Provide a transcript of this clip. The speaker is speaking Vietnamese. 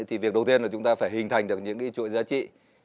thì việc đầu tiên là chúng ta phải hình thành được những cái chuỗi giá trị